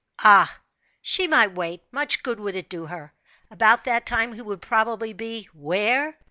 Ah! she might wait much good would it do her; about that time he would probably be where?